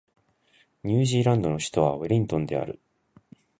ニュージーランドの首都はウェリントンである